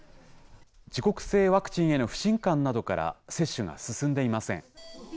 自国製ワクチンへの不信感などから、接種が進んでいません。